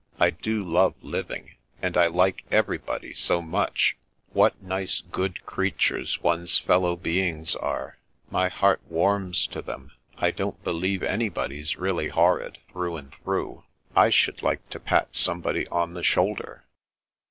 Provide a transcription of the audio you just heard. I do love living. And I like everybody so much. What nice, good creatures one's fellow beings are. My heart warms to them. I don't believe anybody's really horrid, through and through. I should like to pat somebody on the shoulder."